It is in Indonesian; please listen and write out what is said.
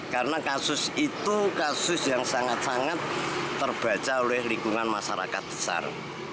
karena kasus itu kasus yang sangat sangat terbaca oleh lingkungan masyarakat besar